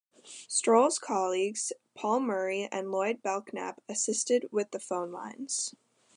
Stoll's colleagues, Paul Murray and Lloyd Bellknap, assisted with the phone lines.